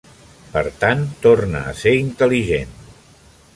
Per tant, torna a ser intel·ligent!